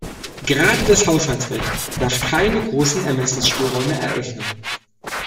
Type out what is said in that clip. Gerade das Haushaltsrecht darf keine großen Ermessensspielräume eröffnen.